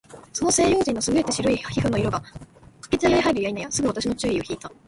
その西洋人の優れて白い皮膚の色が、掛茶屋へ入るや否いなや、すぐ私の注意を惹（ひ）いた。